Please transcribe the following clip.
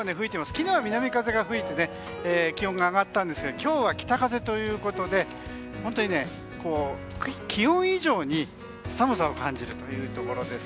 昨日は南風が吹いて気温が上がったんですが今日は北風ということで本当に気温以上に寒さを感じます。